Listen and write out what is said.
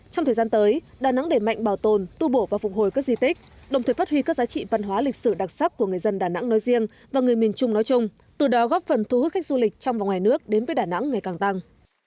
trong thời gian tới đà nẵng để mạnh bảo tồn tu bổ và phục hồi các di tích đồng thời phát huy các giá trị văn hóa lịch sử đặc sắc của người dân đà nẵng nói riêng và người miền trung nói chung từ đó góp phần thu hút khách du lịch trong và ngoài nước đến với đà nẵng ngày càng tăng